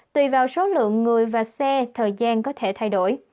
tùy vào số lượng người và xe thời gian có thể thay đổi